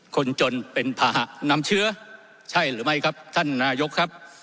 คนจนเป็นภาหะนำเชื้อใช่หรือไม่ครับท่านนายกครับ